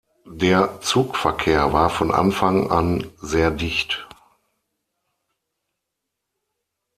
Der Zugverkehr war von Anfang an sehr dicht.